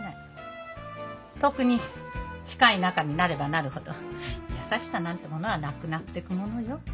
特に近い仲になればなるほど優しさなんてものはなくなってくものよ。